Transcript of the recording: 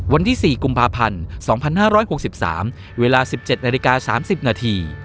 วันที่๔กุมภาพันธ์๒๕๖๓เวลา๑๗นาฬิกา๓๐นาที